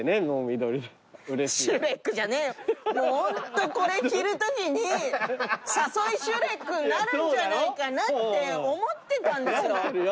もうホントこれ着るときに誘いシュレックになるんじゃないかなって思ってたんですよ。